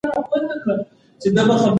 کله چې ماشومان لوبه وکړي، فشار نه زیاتېږي.